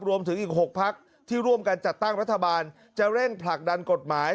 รวมถึงอีก๖พักที่ร่วมกันจัดตั้งรัฐบาลจะเร่งผลักดันกฎหมาย